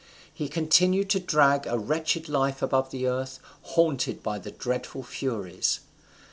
He continued to drag a wretched life above the earth, haunted by the dreadful Furies.